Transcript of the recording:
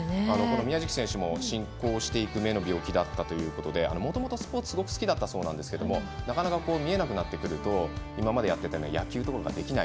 宮食選手も進行していく目の病気だったということでもともとスポーツがすごく好きだったそうですがなかなか見えなくなってくると今までやっていた野球とかができない。